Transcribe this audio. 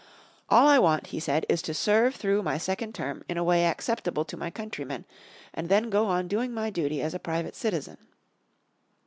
"All I want," he said, "is to serve through my second term in a way acceptable to my countrymen, and then go on doing my duty as a private citizen."